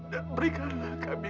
dan berikanlah kami